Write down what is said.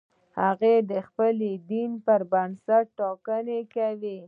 هغه د خپل دین پر بنسټ ټاکنه کوي.